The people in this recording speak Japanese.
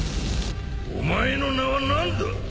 お前の名は何だ！